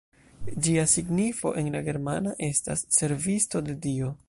Ĝia signifo en la germana estas «servisto de Dio».